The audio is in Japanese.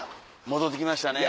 戻って来ましたね。